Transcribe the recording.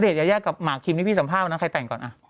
ณเดชน์ยากับหมากครีมที่พี่สัมภาพนะใครแต่งก่อน